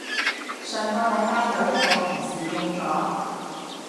上個禮拜有一個同事中咗